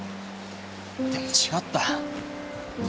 でも違った。